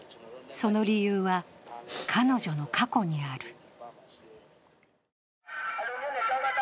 その理由は、彼女の過去にある。